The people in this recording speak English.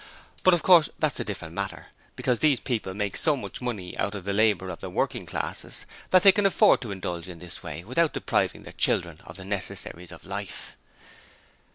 But of course that's a different matter, because these people make so much money out of the labour of the working classes that they can afford to indulge in this way without depriving their children of the necessaries of life.